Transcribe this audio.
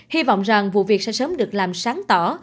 hy vọng rằng vụ việc sẽ sớm được làm sáng tỏ